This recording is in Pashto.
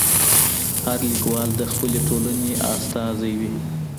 هر ليکوال د خپلي ټولني استازی وي.